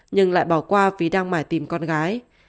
nhưng lại bỏ qua vì đang mài tìm con gái